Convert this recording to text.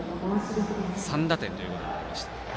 ３打点ということになりました。